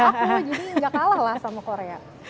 jadi enggak kalah lah sama korea